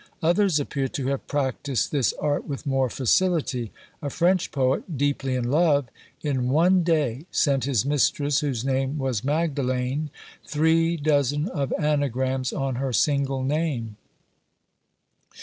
Others appear to have practised this art with more facility. A French poet, deeply in love, in one day sent his mistress, whose name was Magdelaine, three dozen of anagrams on her single name!